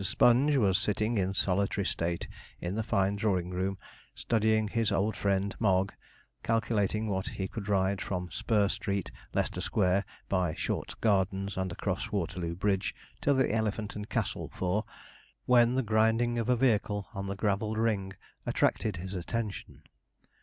Sponge was sitting in solitary state in the fine drawing room, studying his old friend Mogg, calculating what he could ride from Spur Street, Leicester Square, by Short's Gardens, and across Waterloo Bridge, to the Elephant and Castle for, when the grinding of a vehicle on the gravelled ring attracted his attention.